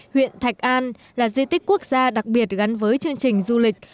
huyện thạch an là di tích quốc gia đặc biệt gắn với chương trình du lịch